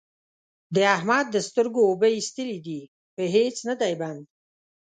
د احمد د سترګو اوبه اېستلې دي؛ په هيڅ نه دی بند،